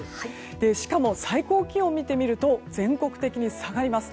しかも最高気温を見てみると全国的に下がります。